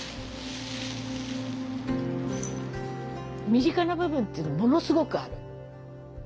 身近な部分っていうのがものすごくある。